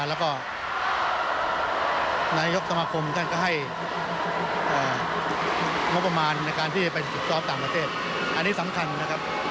แล้วก็นายกสมภคมก็ให้มุ่งประมาณในการที่ไปติดต้องข้อมาเมฆอันนี้สำคัญนะครับ